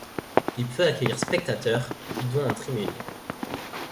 Il peut accueillir spectateurs dont en tribune.